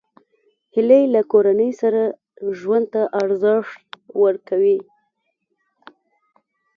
هیلۍ له کورنۍ سره ژوند ته ارزښت ورکوي